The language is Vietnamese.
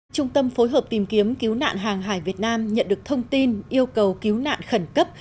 trung tâm phối hợp tìm kiếm cứu nạn hàng hải việt nam nhận được thông tin yêu cầu cứu nạn khẩn cấp